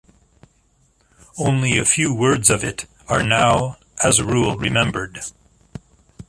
Only a few words of it are now, as a rule, remembered.